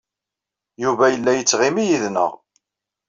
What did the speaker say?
Yuba yella yettɣimi yid-neɣ.